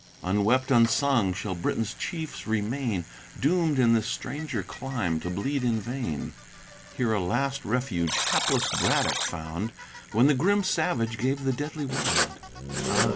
Unwept, unsung shall Britain's chiefs remain; Doomed in this stranger clime to bleed in vain: Here a last refuge hapless Braddock found, When the grim savage gave the deadly wound: Ah!